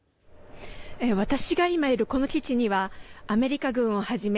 私が今いるこの基地にはアメリカ軍をはじめ